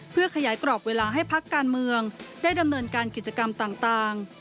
เพื่อขยายกรอบเวลาให้พักการเมืองได้ดำเนินการกิจกรรมต่าง